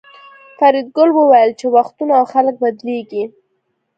فریدګل وویل چې وختونه او خلک بدلیږي